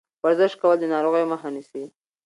ورزش کول د ناروغیو مخه نیسي.